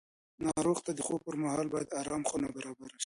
ناروغ ته د خوب پر مهال باید ارامه خونه برابره شي.